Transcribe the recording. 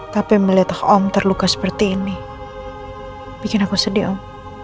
tapi melihat om terluka seperti ini bikin aku sedih om